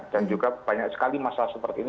dan juga banyak sekali masalah seperti ini